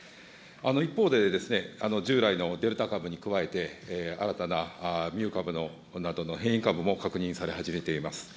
一方で、従来のデルタ株に加えて、新たなミュー株の変異株も確認され始めています。